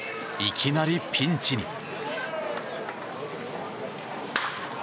いきなりピンチに。